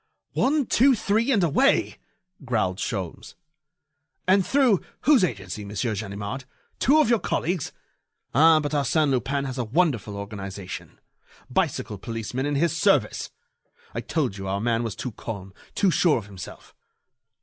one, two, three and away!" growled Sholmes. "And through whose agency, Monsieur Ganimard? Two of your colleagues.... Ah! but Arsène Lupin has a wonderful organization! Bicycle policemen in his service!... I told you our man was too calm, too sure of himself."